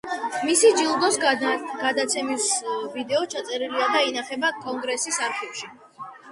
მისი ჯილდოს გადაცემის ვიდეო ჩაწერილია და ინახება კონგრესის არქივში.